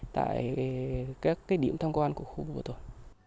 tại các điểm tham quan của khu bảo tồn